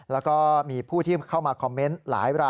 แล้วก็มีผู้ที่เข้ามาคอมเมนต์หลายราย